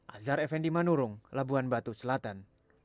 azhar effendi manurung labuan batu selatan